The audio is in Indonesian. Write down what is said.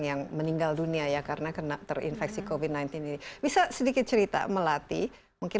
yang meninggal dunia ya karena kena terinfeksi covid sembilan belas ini bisa sedikit cerita melati mungkin